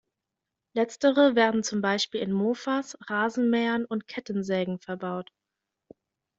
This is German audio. Letztere werden zum Beispiel in Mofas, Rasenmähern und Kettensägen verbaut.